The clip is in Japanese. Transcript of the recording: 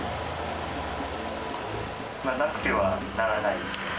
なくてはならないですよね。